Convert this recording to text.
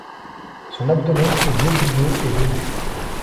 Son abdomen est globuleux et velu.